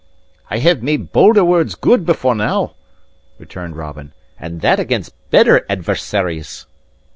"I have made bolder words good before now," returned Robin, "and that against better adversaries."